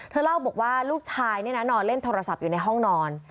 เล่าบอกว่าลูกชายนอนเล่นโทรศัพท์อยู่ในห้องนอน